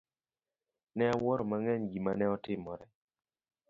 Ne awuoro mang'eny gima ne otimore.